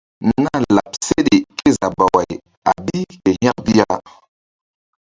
Nah láɓ seɗe kézabaway a bi ke hȩk bi ya.